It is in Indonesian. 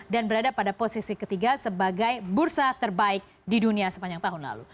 dan berada pada posisi ketiga sebagai bursa terbaik di dunia sepanjang tahun lalu